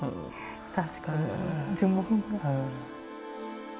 確かに。